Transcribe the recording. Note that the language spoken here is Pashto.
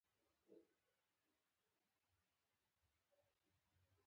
د مرغیو الوت د قدرت ښکلا څرګندوي.